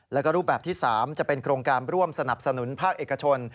แล้วก็รูปแบบที่๓จะเป็นโครงการร่วมสนับสนุนภาคเอกชน